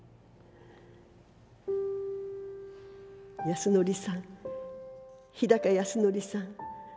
「安典さん日高安典さん。